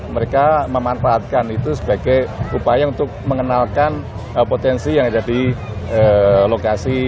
mereka memanfaatkan itu sebagai upaya untuk mengenalkan potensi yang ada di lokasi